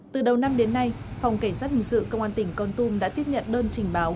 từ đầu năm đến nay phòng cảnh sát hình sự công an tỉnh con tum đã tiếp nhận đơn trình báo